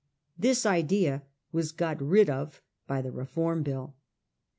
This idea was got rid of by the Reform Bill.